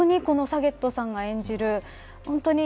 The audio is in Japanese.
特にこのサゲットさんが演じる